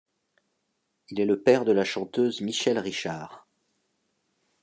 Il est le père de la chanteuse Michèle Richard.